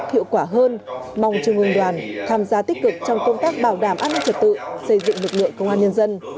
hiệu quả hơn mong trung ương đoàn tham gia tích cực trong công tác bảo đảm an ninh trật tự xây dựng lực lượng công an nhân dân